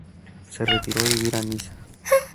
Se retiró a vivir a Niza.